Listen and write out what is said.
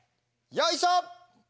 よいしょ！